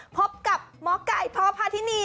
พบกับมกัยพภาทินี